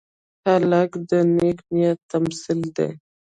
هلک د نیک نیت تمثیل دی.